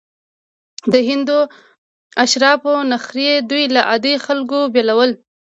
د هندو اشرافو نخرې دوی له عادي خلکو بېلول.